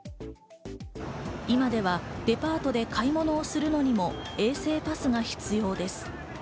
今ではデパートで買い物をするのにも衛生パスが必要です。